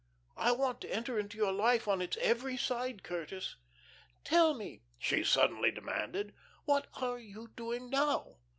I want to enter into your life on its every side, Curtis. Tell me," she suddenly demanded, "what are you doing now?"